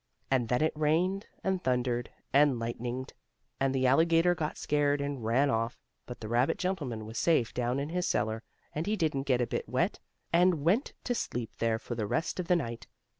And then it rained, and thundered and lightninged, and the alligator got scared, and ran off, but the rabbit gentleman was safe down in his cellar, and he didn't get a bit wet, and went to sleep there for the rest of the night.